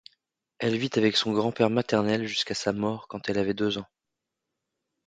Elle vit avec son grand-père maternel jusqu'à sa mort quand elle avait deux ans.